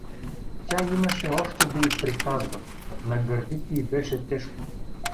Тя имаше още да й приказва, на гърдите й беше тежко.